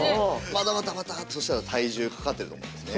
バタバタバタそしたら体重かかってると思うんですね。